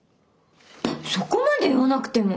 そこまで言わなくても。